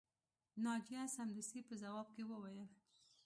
ناجیه سمدستي په ځواب کې وویل